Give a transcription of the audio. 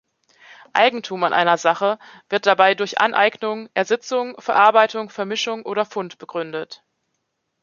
Eigentum an einer Sache wird dabei durch Aneignung, Ersitzung, Verarbeitung, Vermischung oder Fund begründet.